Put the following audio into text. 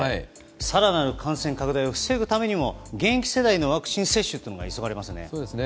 更なる感染拡大を防ぐためにも現役世代のワクチン接種が急がれますね。